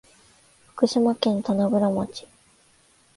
福島県棚倉町